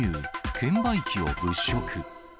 券売機を物色。